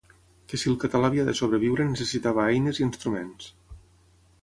Que si el català havia de sobreviure necessitava eines i instruments.